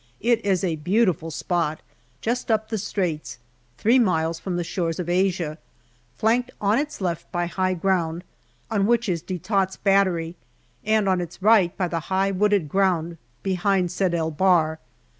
It is a beautiful spot, just up the Straits, three miles from the shores of 108 GALLIPOLI DIARY Asia, flanked on its left by high ground, on which is De Tott's Battery, and on its right by the high wooded ground behind Sed el Bahr.